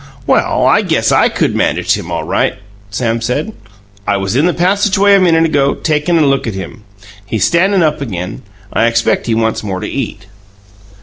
"Well, I guess I could managed him all right," Sam said. "I was in the passageway, a minute ago, takin' a look at him. He's standin' up again. I expect he wants more to eat."